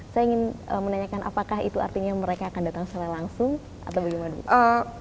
saya ingin menanyakan apakah itu artinya mereka akan datang secara langsung atau bagaimana